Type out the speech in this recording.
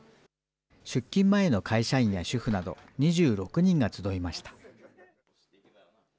出勤前の会社員や主婦など２６人が集いました。